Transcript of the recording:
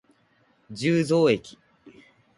十三駅